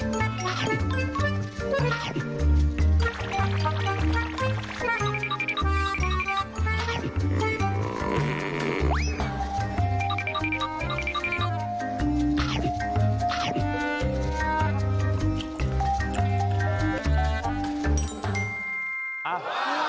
น้ำตาล